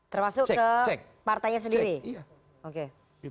termasuk ke partainya sendiri